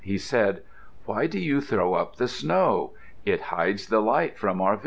He said, "Why do you throw up the snow? It hides the light from our village."